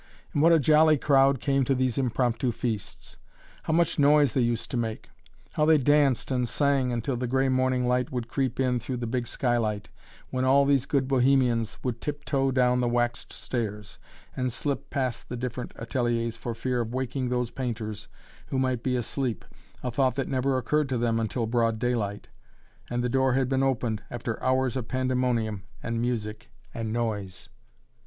And what a jolly crowd came to these impromptu feasts! How much noise they used to make! How they danced and sang until the gray morning light would creep in through the big skylight, when all these good bohemians would tiptoe down the waxed stairs, and slip past the different ateliers for fear of waking those painters who might be asleep a thought that never occurred to them until broad daylight, and the door had been opened, after hours of pandemonium and music and noise!